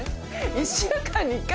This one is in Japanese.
１週間に１回？